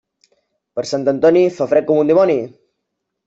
Per Sant Antoni, fa fred com un dimoni.